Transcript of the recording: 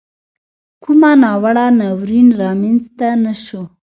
کومه ناوړه ناورین را مینځته نه سو.